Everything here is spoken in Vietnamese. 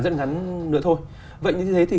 rất ngắn nữa thôi vậy như thế thì